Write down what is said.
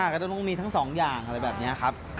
ก็ต้องมีทั้งสองอย่างอะไรแบบนี้ครับ